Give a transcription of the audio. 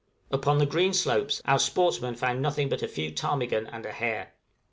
Upon the green slopes our sportsmen found nothing but a few ptarmigan and a hare.